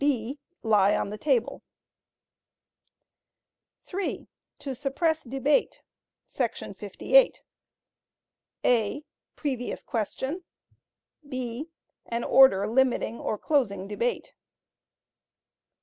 (b) Lie on the Table. (3) To Suppress Debate …………………………………[§ 58] (a) Previous Question. (b) An Order limiting or closing Debate.